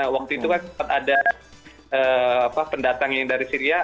waktu itu kan ada pendatang dari syria